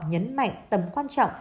nhấn mạnh tầm quan trọng